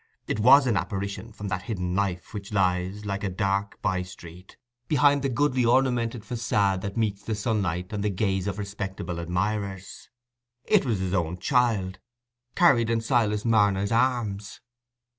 It was an apparition from that hidden life which lies, like a dark by street, behind the goodly ornamented facade that meets the sunlight and the gaze of respectable admirers. It was his own child, carried in Silas Marner's arms.